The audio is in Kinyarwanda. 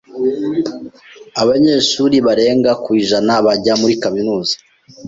Abanyeshuri barenga ku ijana bajya muri kaminuza.